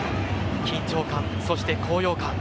緊張感、そして高揚感。